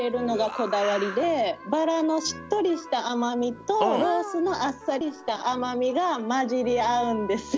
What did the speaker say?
こだわりでバラのしっとりしたあまみとロースのあっさりしたあまみがまじりあうんですよね。